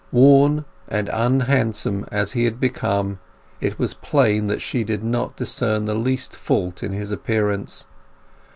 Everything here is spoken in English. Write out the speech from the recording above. Worn and unhandsome as he had become, it was plain that she did not discern the least fault in his appearance.